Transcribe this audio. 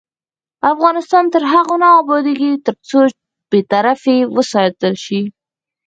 افغانستان تر هغو نه ابادیږي، ترڅو بې طرفي وساتل شي.